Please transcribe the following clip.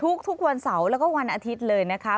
ทุกวันเสาร์แล้วก็วันอาทิตย์เลยนะคะ